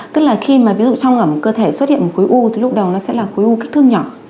tức là khi mà ví dụ trong ẩm cơ thể xuất hiện một khối u thì lúc đầu nó sẽ là khối u kích thương nhỏ